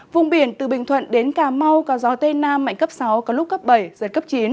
vùng biển từ bình thuận đến cà mau có gió tây nam mạnh cấp sáu có lúc cấp bảy giật cấp chín